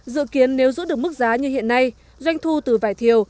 dự kiến nếu giữ được mức giá như hiện nay doanh thu từ vải thiều